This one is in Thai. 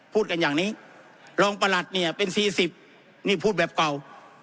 พูดกันอย่างนี้รองประหลัดเนี่ยเป็น๔๐นี่พูดแบบเก่า